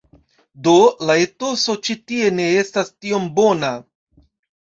Do, la etoso ĉi tie ne estas tiom bona